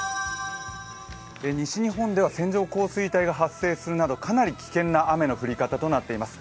西日本では線状降水帯が発生するなどかなり危険な雨の降り方となっています。